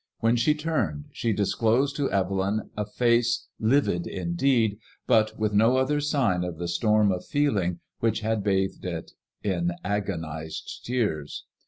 When she turned, she disclosed to Evelyn a face livid indeed, but with no other sign of the storm of feeling which had bathed it in agonized tears.